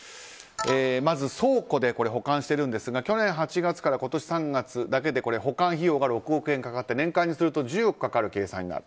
まず倉庫で保管しているんですが去年８月から今年３月だけで保管費用が６億円かかって年間にすると１０億かかる計算になる。